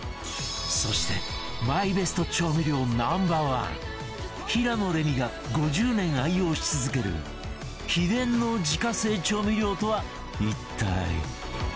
そしてマイベスト調味料 Ｎｏ．１ 平野レミが５０年愛用し続ける秘伝の自家製調味料とは一体？